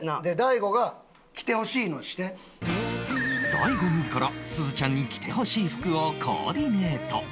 大悟自らすずちゃんに着てほしい服をコーディネート